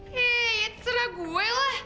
hei ya terserah gue lah